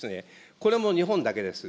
これも日本だけです。